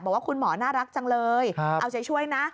บอกว่าคุณหมอน่ารักจังเลยเอาใจช่วยนะ